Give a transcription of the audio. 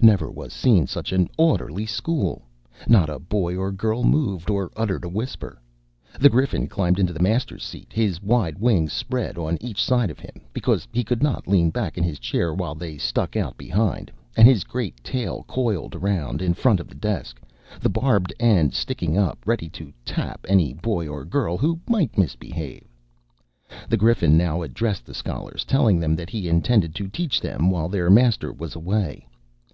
Never was seen such an orderly school. Not a boy or girl moved, or uttered a whisper. The Griffin climbed into the master's seat, his wide wings spread on each side of him, because he could not lean back in his chair while they stuck out behind, and his great tail coiled around, in front of the desk, the barbed end sticking up, ready to tap any boy or girl who might misbehave. The Griffin now addressed the scholars, telling them that he intended to teach them while their master was away.